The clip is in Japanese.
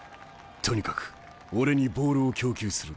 とにかく俺にボールを供給する。